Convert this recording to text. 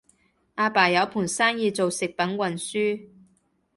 阿爸有盤生意做食品運輸